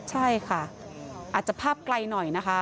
ใช่ค่ะอาจจะภาพไกลหน่อยนะคะ